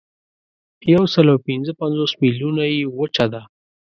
یوسلاوپینځهپنځوس میلیونه یې وچه ده.